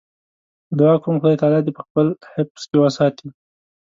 دعا کوم خدای تعالی دې په خپل حفظ کې وساتي.